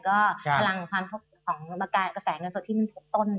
ก็พลังความทบของกระแสเงินทบที่มันโตทบต้น